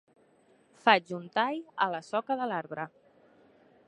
Faig un tall a la soca de l'arbre.